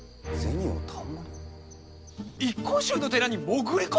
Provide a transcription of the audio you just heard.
一向宗の寺に潜り込む！？